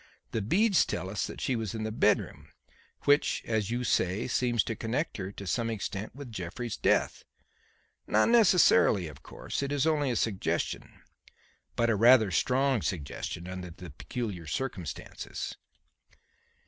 The beads tell us that she was in the bedroom; which, as you say, seems to connect her to some extent with Jeffrey's death. Not necessarily, of course. It is only a suggestion; but a rather strong suggestion under the peculiar circumstances."